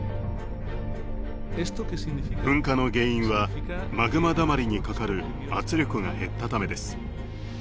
噴火の原因はマグマだまりにかかる圧力が減ったためです。